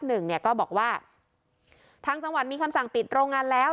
หนึ่งเนี่ยก็บอกว่าทางจังหวัดมีคำสั่งปิดโรงงานแล้ว